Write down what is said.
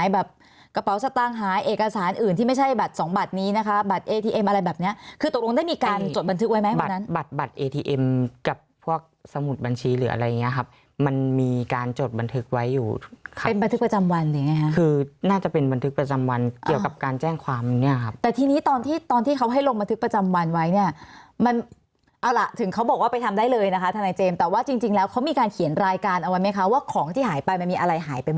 บันทึกไว้อยู่เป็นบันทึกประจำวันหรือไงฮะคือน่าจะเป็นบันทึกประจำวันเกี่ยวกับการแจ้งความอยู่เนี่ยครับแต่ทีนี้ตอนที่ตอนที่เขาให้ลงบันทึกประจำวันไว้เนี่ยมันเอาล่ะถึงเขาบอกว่าไปทำได้เลยนะคะทนายเจมส์แต่ว่าจริงจริงแล้วเขามีการเขียนรายการเอาไว้ไหมคะว่าของที่หายไปมันมีอะไรหายไปบ